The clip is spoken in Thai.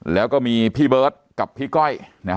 แล้วก็มีพี่เบิร์ตกับพี่ก้อย